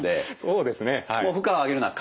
もう負荷を上げるのは簡単です。